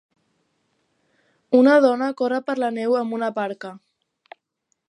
Una dona corre per la neu amb una parca.